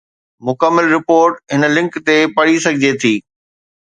مڪمل رپورٽ هن لنڪ تي پڙهي سگهجي ٿي.